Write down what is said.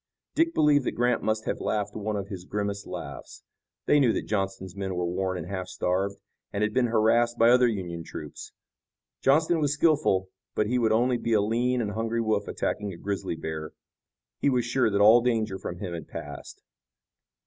Dick believed that Grant must have laughed one of his grimmest laughs. They knew that Johnston's men were worn and half starved, and had been harassed by other Union troops. Johnston was skillful, but he would only be a lean and hungry wolf attacking a grizzly bear. He was sure that all danger from him had passed.